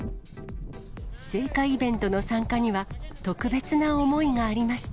聖火イベントの参加には特別な思いがありました。